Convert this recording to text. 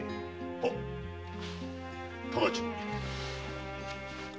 はっ直ちに。